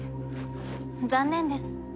残念です。